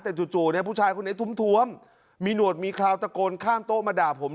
แต่จู่เนี่ยผู้ชายคนนี้ทุ่มมีหนวดมีคราวตะโกนข้ามโต๊ะมาด่าผม